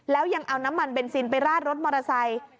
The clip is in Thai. แล้วยังเอาน้ำมันเบนซินไปราดรถมอเตอร์ไซค์